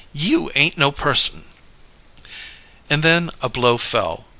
You ain't no person!" And then a blow fell.